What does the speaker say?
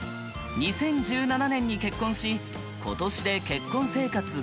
２０１７年に結婚し今年で結婚生活５年。